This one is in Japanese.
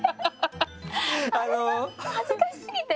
恥ずかしすぎて。